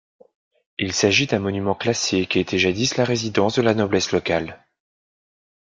Il s'agit d'un monument classé qui était jadis la résidence de la noblesse locale.